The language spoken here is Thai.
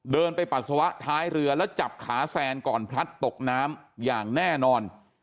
เดินไปปัสสาวะท้ายเรือแล้วจับขาแซนก่อนพลัดตกน้ำอย่างแน่นอน